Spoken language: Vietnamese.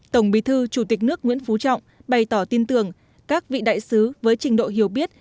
tổng bí thư chủ tịch nước nguyễn phú trọng bày tỏ tin tưởng các vị đại sứ với trình độ hiểu biết